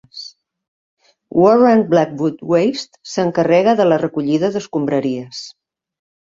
Warren Blackwood Waste s'encarrega de la recollida d'escombraries.